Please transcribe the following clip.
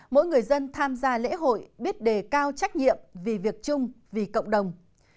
mỗi người dân tham gia lễ hội biết đề cao trách nhiệm vì việc chung vì cộng đồng